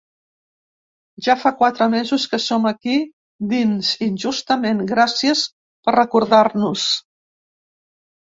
Ja fa quatre mesos que som aquí dins, injustament… Gràcies per recordar-nos!